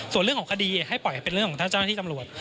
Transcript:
ส่วนเรื่องของคดีให้ปล่อยให้เป็นเรื่องของท่านเจ้าหน้าที่ตำรวจ